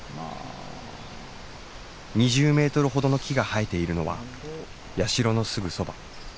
２０メートルほどの木が生えているのは社のすぐそば。